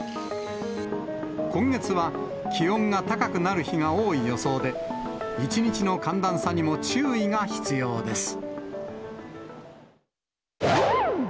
今月は気温が高くなる日が多い予想で、一日の寒暖差にも注意が必要です。